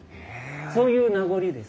そういう名残です。